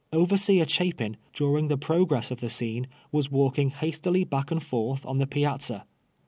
Overseer Chapin, during the progress of the scene, was walk ing hastily back and forth on the piazza.